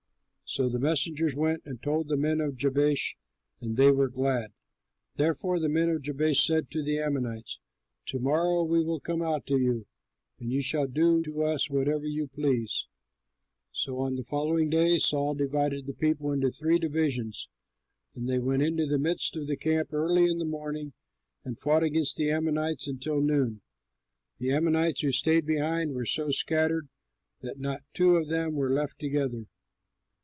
'" So the messengers went and told the men of Jabesh, and they were glad. Therefore the men of Jabesh said to the Ammonites, "To morrow we will come out to you, and you shall do to us whatever you please." So on the following day, Saul divided the people into three divisions; and they went into the midst of the camp early in the morning, and fought against the Ammonites until noon. The Ammonites who stayed behind were so scattered that not two of them were left together.